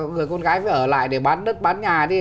rồi con gái phải ở lại để bán đất bán nhà đi